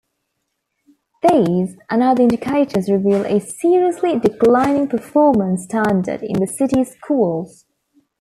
These and other indicators reveal a seriously declining performance standard in the city's schools.